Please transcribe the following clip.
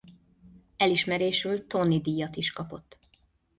Elismerésül Tony-díjat is kapott.